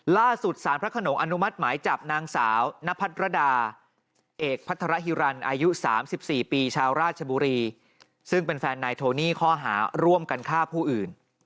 ล่าสุดสารพระขนงอนุมัติหมายจับนางสาวนพัทรดาเอกพัทรฮิรันอายุ๓๔ปีชาวราชบุรีซึ่งเป็นแฟนนายโทนี่ข้อหาร่วมกันฆ่าผู้อื่น